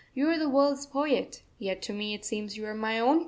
You are the world's poet, yet to me it seems you are my own poet!